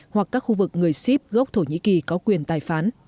hoặc các khu vực người ship gốc thổ nhĩ kỳ có quyền tài phán